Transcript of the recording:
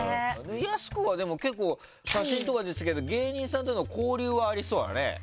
やす子は写真とかですけど芸人さんとの交流はありそうだね。